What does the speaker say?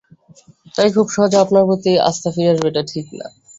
তাই খুব সহজে আপনার প্রতি আস্থা ফিরে আসবে, এটা ঠিক না।